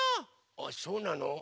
あそうなの？